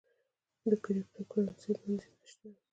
د کریپټو کرنسی بندیز شته؟